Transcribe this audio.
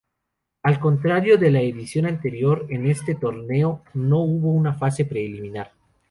Al contrario de la edición anterior, en este torneo no hubo una fase preliminar.